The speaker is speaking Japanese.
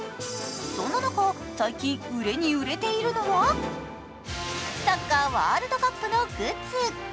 そんな中、最近、売れに売れているのはサッカーワールドカップのグッズ。